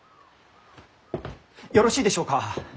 よろしいでしょうか？